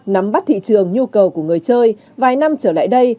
nắm bắt thị trường nhu cầu của người chơi vài năm trở lại đây